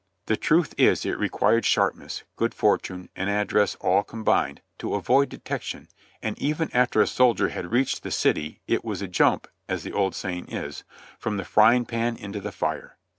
The truth is, it required sharpness, good fortune and address all combined, to avoid detection, and even after a soldier had reached the city, it was a jump — as the old saying is — "from the frying pan into the fire."